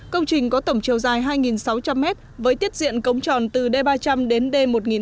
công trình có tổng chiều dài hai sáu trăm linh mét với tiết diện cống tròn từ d ba trăm linh đến d một nghìn chín trăm linh